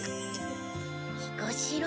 彦四郎。